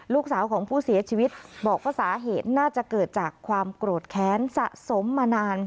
ลูกสาวของผู้เสียชีวิตบอกว่าสาเหตุน่าจะเกิดจากความโกรธแค้นสะสมมานาน